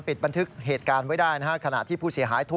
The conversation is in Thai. ปิดปันทึกเหตุการณ์ไว้ได้